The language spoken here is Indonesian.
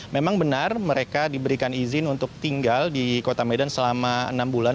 memang benar mereka diberikan izin untuk tinggal di kota medan selama enam bulan